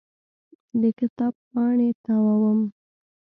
د کتاب پاڼې تاووم.